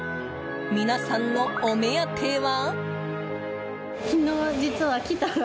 皆さんの、お目当ては？